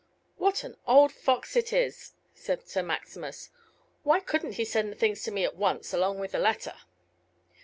"What an old fox it is!" said Sir Maximus. "Why couldn't he send the things to me at once along with the letter?"